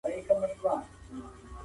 زغم د يوې پرمختللې ټولني نښه ده.